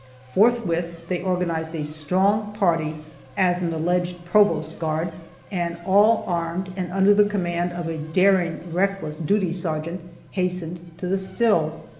Forthwith they organized a strong party as an alleged "provost guard," and all armed, and under the command of a daring, reckless duty sergeant, hastened to the still.